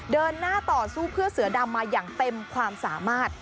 เดินหน้าต่อสู้เพื่อเสือดำมาอย่างเต็มความสามารถ